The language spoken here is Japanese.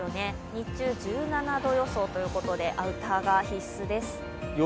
日中１７度予想ということで、アウターが必須です。